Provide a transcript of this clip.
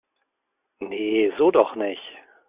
Nee, so doch nicht!